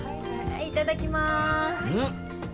いただきます。